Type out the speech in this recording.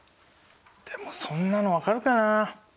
でもそんなの分かるかな。